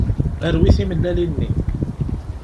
Rwi timellalin-nni.